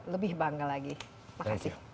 lebih bangga lagi makasih